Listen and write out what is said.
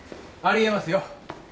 ありえますよ。